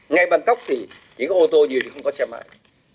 ngay bangkok thì chỉ có ô tô nhiều thì không có xe máy